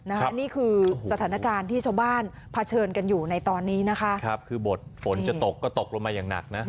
นี่คือสถานการณ์ที่ชาวบ้านเผชิญกันอยู่ในตอนนี้นะคะคือบทฝนจะตกก็ตกลงมาอย่างหนักนะ